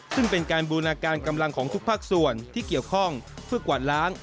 ซึ่งเป็นการบูรณาการกำลังของทุกภาคส่วนที่เกี่ยวข้องเพื่อกวาดล้าง